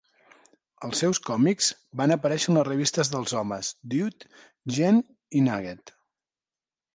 Els seus còmics van aparèixer en les revistes dels homes "Dude", "gent" i "Nugget".